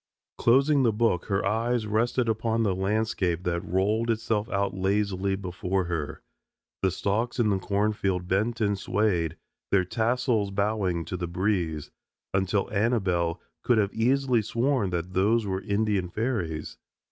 Closing the book, her eyes rested upon the landscape that rolled itself out lazily before her. The stalks in the cornfield bent and swayed, their tassels bowing to the breeze, until Annabelle could have easily sworn that those were Indian fairies.